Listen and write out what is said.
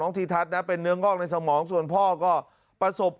ทีทัศน์นะเป็นเนื้องอกในสมองส่วนพ่อก็ประสบ